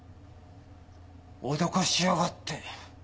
脅かしやがって。